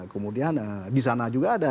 kemudian di sana juga ada